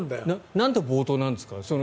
なんで暴投なんですか？